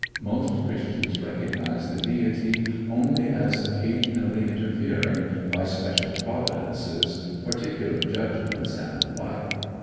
Most Christians recognize the Deity only as occasionally interfering by special providences, particular judgments, and the like.